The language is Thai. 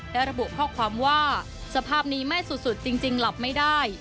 และระบุข้อความว่าสภาพนี้ไม่สุดจริงหลับไม่ได้